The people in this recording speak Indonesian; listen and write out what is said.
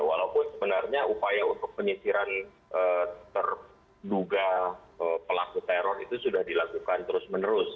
walaupun sebenarnya upaya untuk penyisiran terduga pelaku teror itu sudah dilakukan terus menerus